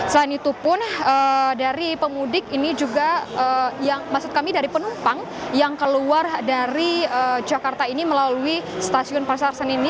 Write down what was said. selain itu pun dari pemudik ini juga yang maksud kami dari penumpang yang keluar dari jakarta ini melalui stasiun pasar senen ini